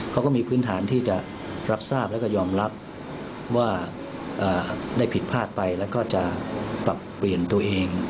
เขาก็มีพื้นฐานที่จะรับทราบแล้วก็ยอมรับว่าได้ผิดพลาดไปแล้วก็จะปรับเปลี่ยนตัวเอง